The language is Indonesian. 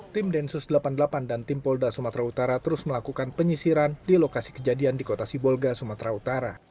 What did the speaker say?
tim densus delapan puluh delapan dan tim polda sumatera utara terus melakukan penyisiran di lokasi kejadian di kota sibolga sumatera utara